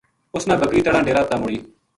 اس نا بکری تنہاں ڈیرا تا موڑی